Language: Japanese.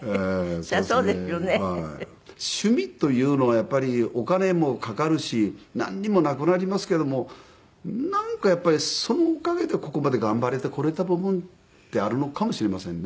趣味というのはやっぱりお金もかかるしなんにもなくなりますけどもなんかやっぱりそのおかげでここまで頑張れてこれた部分ってあるのかもしれませんね。